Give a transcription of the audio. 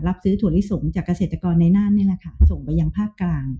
รับซื้อถั่วลิสงส์จากเกษตรกรในนั่นส่งไปยางภาคกลาง